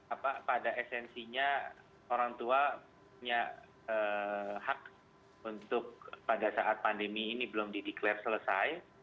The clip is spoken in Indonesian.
apa pada esensinya orang tua punya hak untuk pada saat pandemi ini belum dideklarasi selesai